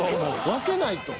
分けないと。